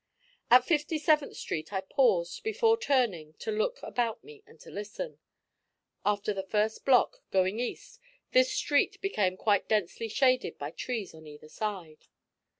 At Fifty seventh Street I paused, before turning, to look about me and to listen. After the first block, going east, this street became quite densely shaded by the trees on either side.